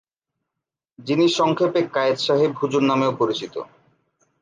যিনি সংক্ষেপে কায়েদ সাহেব হুজুর নামেও পরিচিত।